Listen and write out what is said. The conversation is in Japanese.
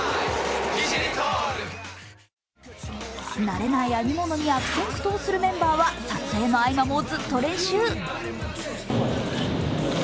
慣れない編み物に悪戦苦闘するメンバーは撮影の合間もずっと練習。